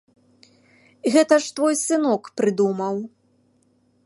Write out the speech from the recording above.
Гэта ж твой сынок прыдумаў!